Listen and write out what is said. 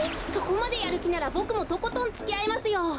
そこまでやるきならボクもとことんつきあいますよ！